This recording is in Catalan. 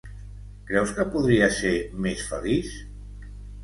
Creus que podria ser més feliç?